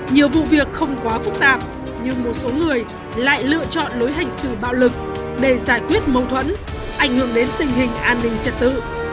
nhiều vụ việc không quá phức tạp nhưng một số người lại lựa chọn lối hành sự bạo lực để giải quyết mâu thuẫn ảnh hưởng đến tình hình an ninh trật tự